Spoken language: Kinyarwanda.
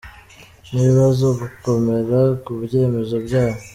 Ntibazi gukomera ku byemezo byabo,.